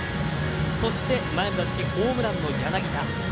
そして前の打席ホームランの柳田。